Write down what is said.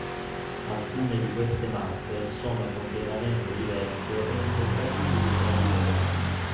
Alcune di queste mappe sono completamente diverse e incompatibili tra di loro.